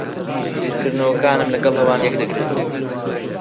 بیرکردنەوەکانم لەگەڵ ئەوان یەک دەگرێتەوە.